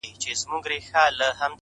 o په جنگ کي حلوا نه وېشل کېږي٫